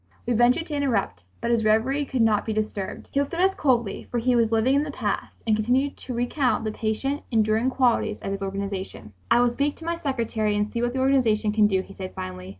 we ventured to interrupt. But his reverie could not be disturbed. He looked at us coldly, for he was living in the past, and continued to recount the patient, enduring qualities of his organization. "I will speak to my secretary and see what the organization can do," he said finally.